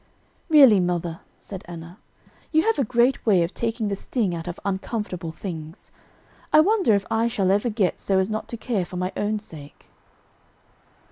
"Really, mother," said Anna, "you have a great way of taking the sting out of uncomfortable things. I wonder if I shall ever get so as not to care for my own sake."